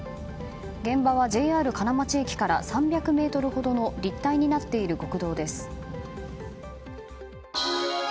現場はＪＲ金町駅から３００ｍほどの立体になっている国道です。